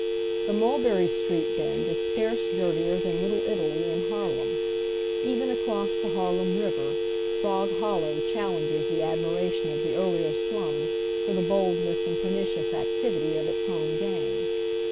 The Mulberry Street Bend is scarce dirtier than Little Italy in Harlem. Even across the Har lem River, Frog Hollow challenges the admiration of the earlier slums for the boldness and pernicious activity of its home gang.